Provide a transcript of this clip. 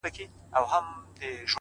دا ټپه ورته ډالۍ كړو دواړه ـ